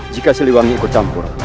jika seluar ini ikut campur